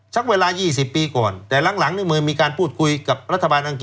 สักเวลา๒๐ปีก่อนแต่หลังเมื่อมีการพูดคุยกับรัฐบาลอังกฤ